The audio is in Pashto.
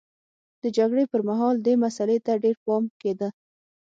د جګړې پرمهال دې مسئلې ته ډېر پام کېده